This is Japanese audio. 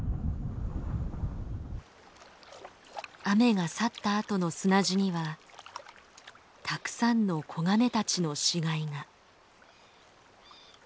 雨が去ったあとの砂地にはたくさんの子ガメたちの死骸が。